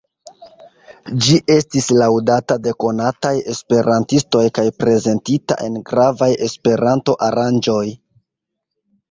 Ĝi estis laŭdata de konataj esperantistoj kaj prezentita en gravaj Esperanto-aranĝoj.